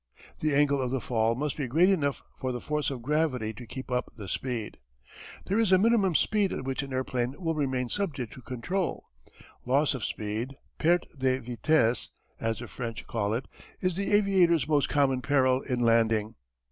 The angle of the fall must be great enough for the force of gravity to keep up the speed. There is a minimum speed at which an airplane will remain subject to control. Loss of speed "perte de vitesse," as the French call it is the aviator's most common peril in landing.